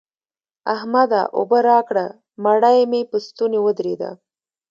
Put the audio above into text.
احمده! اوبه راکړه؛ مړۍ مې په ستونې ودرېده.